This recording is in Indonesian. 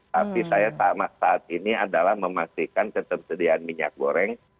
tapi saya sama saat ini adalah memastikan ketersediaan minyak goreng